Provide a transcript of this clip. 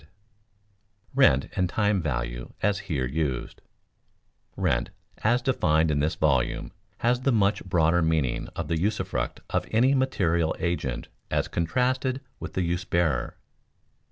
[Sidenote: Rent and time value as here used] Rent as defined in this volume has the much broader meaning of the usufruct of any material agent as contrasted with the use bearer.